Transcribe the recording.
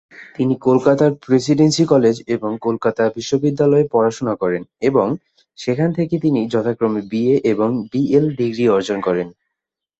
তিনি কলকাতার presidency college এবং কলকাতা বিশ্ববিদ্যালয়ে পড়াশোনা করেন এবং, সেখান থেকে তিনি যথাক্রমে বিএ এবং বিএল ডিগ্রি অর্জন করেন।